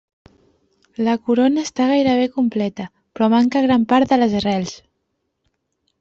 La corona està gairebé completa, però manca gran part de les arrels.